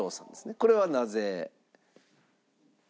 これはなぜ？